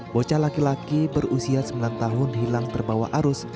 bocah laki laki berusia sembilan tahun hilang terbawa arus